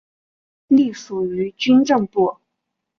隶属于军政部。